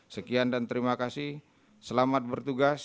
sekian dan terima kasih selamat bertugas